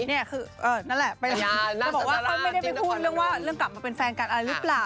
นี่คือนั่นแหละจะบอกว่าเขาไม่ได้ไปพูดเรื่องว่าเรื่องกลับมาเป็นแฟนกันอะไรหรือเปล่า